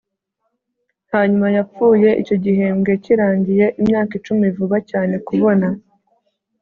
Hanyuma yapfuye icyo gihembwe kirangiye imyaka icumi vuba cyane kubona